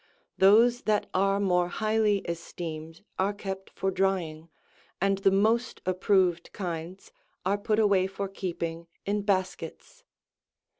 Those that are more highly esteemed are kept for drying, and the most ap proved kinds are put away for keeping in baskets.